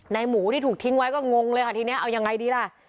หมูที่ถูกทิ้งไว้ก็งงเลยค่ะทีนี้เอายังไงดีล่ะ